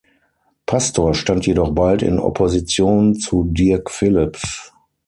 Pastor stand jedoch bald in Opposition zu Dirk Philips.